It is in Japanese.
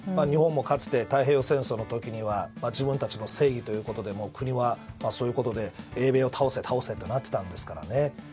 日本もかつて、太平洋戦争の時には自分たちの正義ということで国はそういうことで英米を倒せとなっていたんですから。